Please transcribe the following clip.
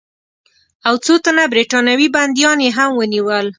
او څو تنه برټانوي بندیان یې هم ونیول.